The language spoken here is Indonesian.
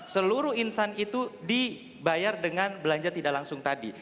seluruh insan itu dibayar dengan belanja tidak langsung tadi